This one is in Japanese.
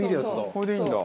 これでいいんだ。